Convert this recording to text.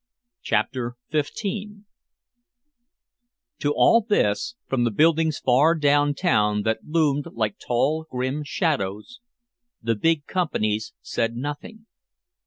CHAPTER XV To all this, from the buildings far downtown that loomed like tall grim shadows, the big companies said nothing.